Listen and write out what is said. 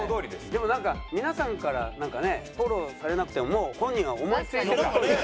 でもなんか皆さんからなんかねフォローされなくてももう本人は思いついてるっぽい。